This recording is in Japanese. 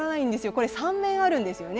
これ三面あるんですよね。